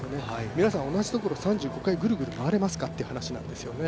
皆さん同じところ３５回ぐるぐる回れますかという話ですよね。